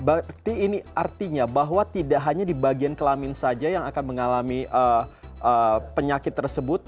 berarti ini artinya bahwa tidak hanya di bagian kelamin saja yang akan mengalami penyakit tersebut